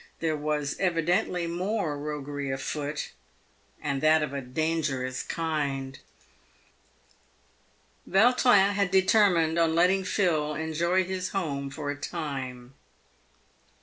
There was evidently more roguery afoot, and that of a dangerous kind. Yautrin had determined on letting Phil enjoy his home for a time.